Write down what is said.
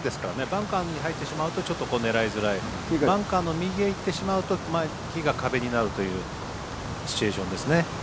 バンカーに入ってしまうと狙いづらいバンカーの右へ行ってしまうと木が壁になるというシチュエーションですね。